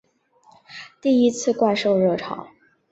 第一次怪兽热潮